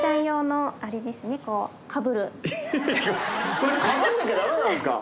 これかぶんなきゃダメなんですか？